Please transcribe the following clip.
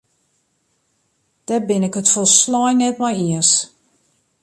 Dêr bin ik it folslein mei iens.